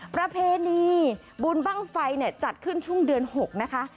ประเพณีบุญบ้างไฟจัดขึ้นช่วงเดือน๖นะคะ